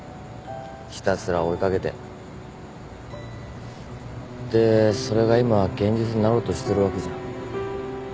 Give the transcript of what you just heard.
ひたすら追い掛けてでそれが今現実になろうとしてるわけじゃん。